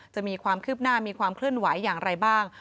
จะมีความคืบหน้ามีความเคลื่อนไหวอย่างไรบ้าง